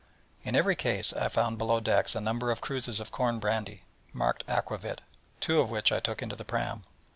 In every case I found below decks a number of cruses of corn brandy, marked aquavit, two of which I took into the pram.